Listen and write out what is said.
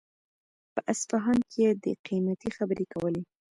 په اصفهان کې يې د قيمتۍ خبرې کولې.